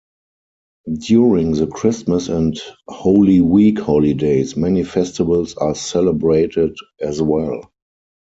During the Christmas and Holy Week holidays many festivals are celebrated as well.